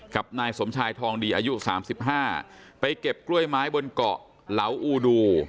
กับนายสมชายทองดีอายุ๓๕ไปเก็บกล้วยไม้บนเกาะเหลาอูดู